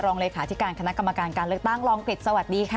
รองเลขาธิการคณะกรรมการการเลือกตั้งรองกฤษสวัสดีค่ะ